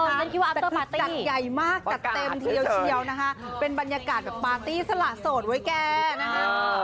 มันคิดว่าอัพเตอร์ปาร์ตี้ประกาศเฉยนะคะเป็นบรรยากาศแบบปาร์ตี้สละโสดไว้แกนะฮะ